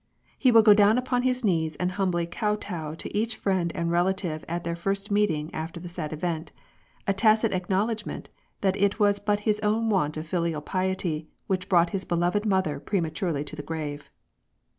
He will go down upon his knees and humbly kotow to each friend and relative at their first meeting after the sad event — a tacit acknowledorment that it was but his own want of filial piety which brought his beloved mother prematurely to the grave.